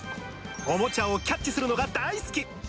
おもちゃをキャッチするのが大好き。